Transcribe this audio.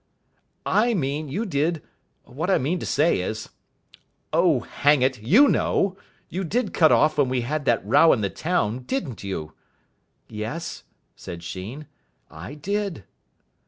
"I mean, you did What I mean to say is Oh, hang it, you know! You did cut off when we had that row in the town, didn't you?" "Yes," said Sheen, "I did."